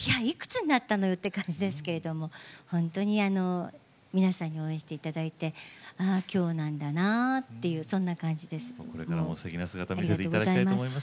いくつになったのよって感じですけれども本当に皆さんに応援して頂いてああ今日なんだなあっていうそんな感じです。